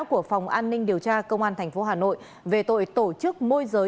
của phòng an ninh điều tra công an thành phố hà nội về tội tổ chức môi giới